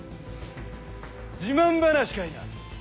自慢話かいな。